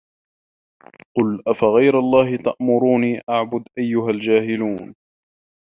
قُل أَفَغَيرَ اللَّهِ تَأمُرونّي أَعبُدُ أَيُّهَا الجاهِلونَ